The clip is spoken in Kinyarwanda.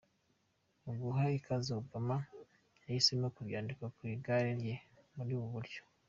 Mu guha ikaze Obama yahisemo kubyandika ku igare rye muri ubu buryo.